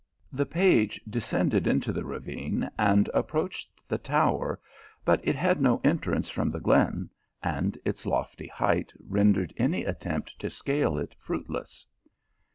The page descended into the ravine, and approach ed the tower, but it had no entrance from the glen, and its lofty height rendered any attempt to scale it fruitless.